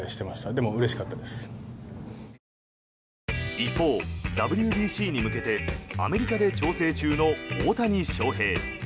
一方、ＷＢＣに向けてアメリカで調整中の大谷翔平。